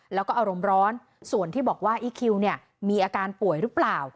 แล้วก็อารมณ์ร้อนส่วนที่บอกว่าอีคิวเนี่ยมีอาการป่วยหรือเปล่า